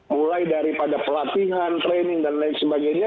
mulai daripada pelatihan training dan lain sebagainya